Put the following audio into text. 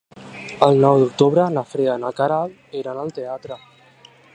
El nou d'octubre na Frida i na Queralt iran al teatre.